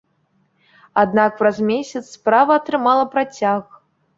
Аднак праз месяц справа атрымала працяг.